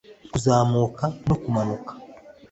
kuzamuka no kumanuka